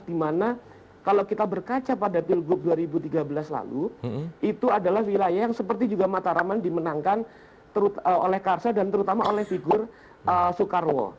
dimana kalau kita berkaca pada pilgub dua ribu tiga belas lalu itu adalah wilayah yang seperti juga mataraman dimenangkan oleh karsa dan terutama oleh figur soekarwo